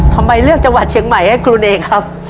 ทำไมเลือกจังหวัดเชียงใหม่ให้คุณเองครับ